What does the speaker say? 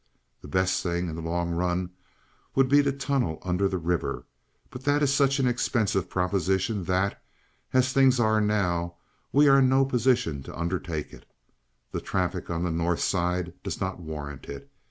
The best thing in the long run would be to tunnel under the river; but that is such an expensive proposition that, as things are now, we are in no position to undertake it. The traffic on the North Side does not warrant it.